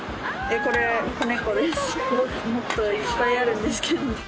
・もっといっぱいあるんですけど。